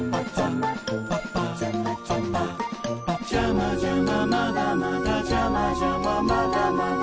「ジャマジャマまだまだジャマジャマまだまだ」